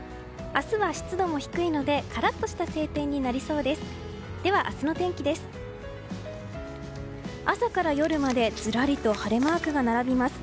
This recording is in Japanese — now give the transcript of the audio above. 明日は湿度も低いのでカラッとした晴天になりそうです。